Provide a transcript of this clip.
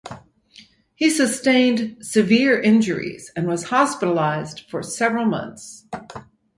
He sustained severe injuries and was hospitalized for several months.